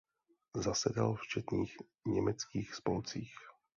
Zasedal v četných německých spolcích.